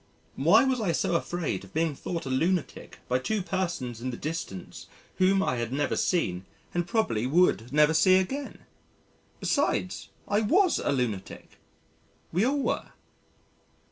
Why was I so afraid of being thought a lunatic by two persons in the distance whom I had never seen and probably would never see again? Besides I was a lunatic we all were.